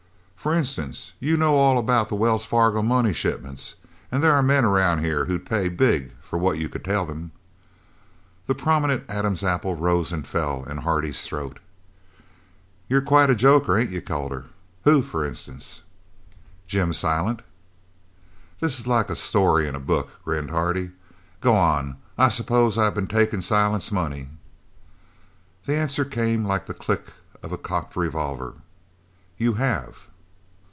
"For instance, you know all about the Wells Fargo money shipments, and there are men around here who'd pay big for what you could tell them." The prominent Adam's apple rose and fell in Hardy's throat. "You're quite a joker, ain't you Calder? Who, for instance?" "Jim Silent." "This is like a story in a book," grinned Hardy. "Go on. I suppose I've been takin' Silent's money?" The answer came like the click of a cocked revolver. "You have!"